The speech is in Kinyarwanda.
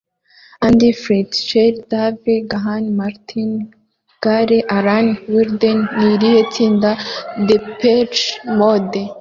Andy Fletcher Dave Gahan Martin Gore Alan Wilder ni irihe tsinda Depeche Mode